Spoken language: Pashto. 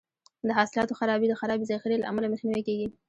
د حاصلاتو خرابي د خرابې ذخیرې له امله مخنیوی کیږي.